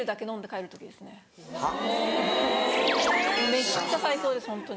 めっちゃ最高ですホントに。